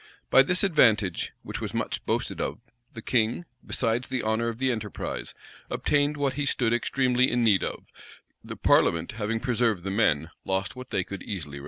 By this advantage, which was much boasted of, the king, besides the honor of the enterprise, obtained what he stood extremely in need of: the parliament, having preserved the men, lost what they could easily repair.